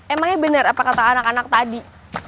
emangnya benar apa kata anak anak tadi